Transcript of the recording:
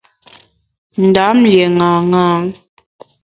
Ndam lié ṅaṅâ.